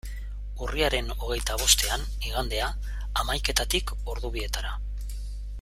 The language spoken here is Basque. Urriaren hogeita bostean, igandea, hamaiketatik ordu bietara.